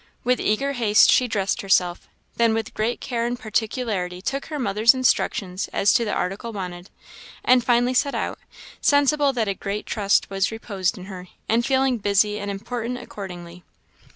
With eager haste she dressed herself; then with great care and particularity took her mother's instructions as to the article wanted; and finally set out, sensible that a great trust was reposed in her, and feeling busy and important accordingly.